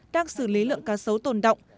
đang xử lý lượng cá sấu tồn động